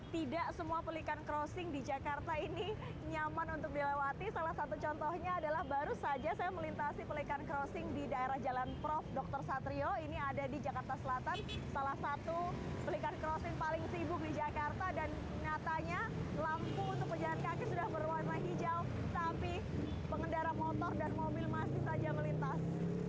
penjalan kaki sudah berwarna hijau tapi pengendara motor dan mobil masih saja melintas